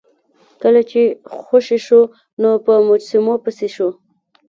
کله چې خوشې شو نو په مجسمو پسې شو.